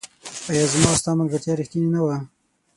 آيا زما او ستا ملګرتيا ريښتيني نه وه